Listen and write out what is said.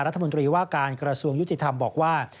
รัฐมนตรีว่าการกระทรวงยุติธรรมบอกว่า